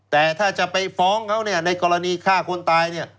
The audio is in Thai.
แต่ถ้าจะไปฟ้องเขาเนี่ยในกรณีฆ่าคนตายเนี่ย